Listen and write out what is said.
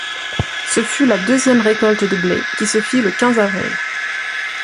Ce fut la deuxième récolte de blé, qui se fit le quinze avril